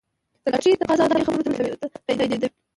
د لاټرۍ تقاضا د دې خبرې تاییدوي.